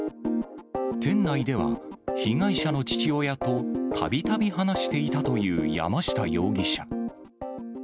店内では、被害者の父親とたびたび話していたという山下容疑者。